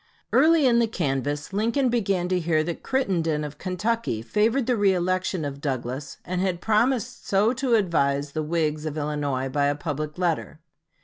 Early in the canvass Lincoln began to hear that Crittenden, of Kentucky, favored the reëlection of Douglas, and had promised so to advise the Whigs of Illinois by a public letter.